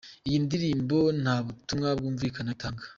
Iyi ndirimbo nta butumwa bwumvikana itanga.